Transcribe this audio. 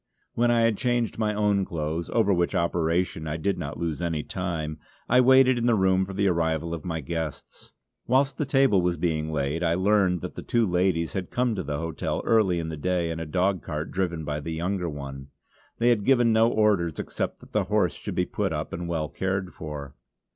When I had changed my own clothes, over which operation I did not lose any time, I waited in the room for the arrival of my guests. Whilst the table was being laid I learned that the two ladies had come to the hotel early in the day in a dogcart driven by the younger one. They had given no orders except that the horse should be put up and well cared for.